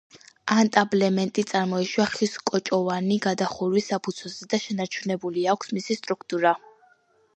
ანტაბლემენტი წარმოიშვა ხის კოჭოვანი გადახურვის საფუძველზე და შენარჩუნებული აქვს მისი სტრუქტურა.